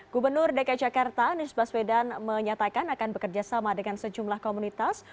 gubernur dki jakarta anies baswedan menyatakan akan bekerjasama dengan sejumlah komunitas